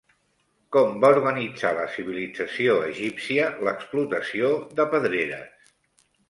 Com va organitzar la civilització egípcia l'explotació de pedreres?